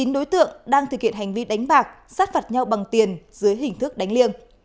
đi đánh bạc sát phạt nhau bằng tiền dưới hình thức đánh liêng